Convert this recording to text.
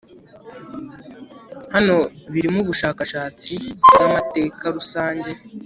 hano birimo ubushakashatsi bwamatekarusange